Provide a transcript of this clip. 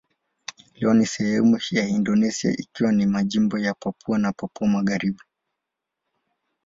Leo hii ni sehemu ya Indonesia ikiwa ni majimbo ya Papua na Papua Magharibi.